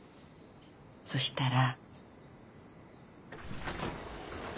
そしたら。